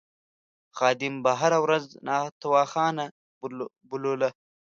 خادم به هره ورځ تاوخانه بلوله.